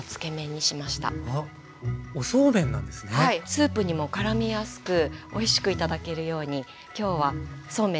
スープにもからみやすくおいしく頂けるように今日はそうめんでつけ麺にしたいと思います。